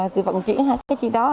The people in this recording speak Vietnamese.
từ vận chuyển hay cái gì đó